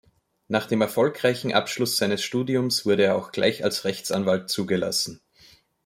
Nach dem erfolgreichen Abschluss seines Studiums wurde er auch gleich als Rechtsanwalt zugelassen.